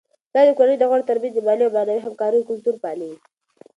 پلار د کورنی د غړو ترمنځ د مالي او معنوي همکاریو کلتور پالي.